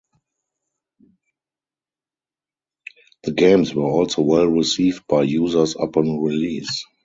The games were also well received by users upon release.